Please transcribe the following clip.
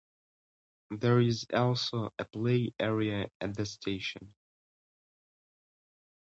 There is also a play area at the station.